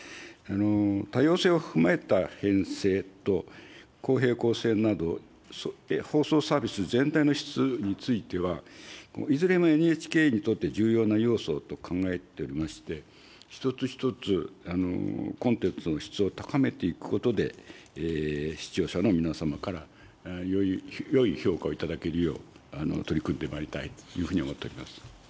多様性を踏まえた編成と、公平・公正など放送・サービス全体の質については、いずれもＮＨＫにとって重要な要素と考えておりまして、一つ一つコンテンツの質を高めていくことで、視聴者の皆様からよい評価をいただけるよう取り組んでまいりたいというふうに思っております。